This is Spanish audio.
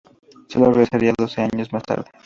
Solo regresaría doce años más tarde.